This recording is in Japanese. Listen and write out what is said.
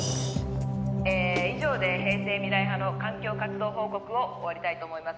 「え以上で平成未来派の環境活動報告を終わりたいと思います。